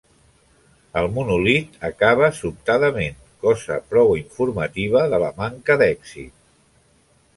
El monòlit acaba sobtadament cosa prou informativa de la manca d'èxit.